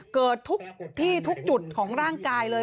เกิดทุกที่ทุกจุดของร่างกายเลย